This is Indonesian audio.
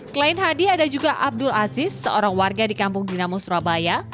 selain hadi ada juga abdul aziz seorang warga di kampung dinamo surabaya